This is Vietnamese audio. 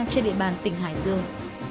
trên địa bàn tỉnh hải dương